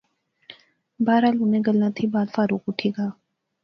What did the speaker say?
بہرحال انیں گلیں تھی بعد فاروق اُٹھی گا